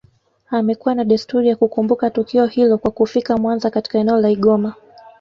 amekuwa na desturi ya kukumbuka tukio hilo kwa kufika Mwanza katika eneo la Igoma